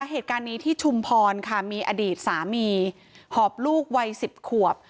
เหตุการณ์นี้ที่ชุมพรค่ะมีอดีตสามีหอบลูกวัย๑๐ขวบ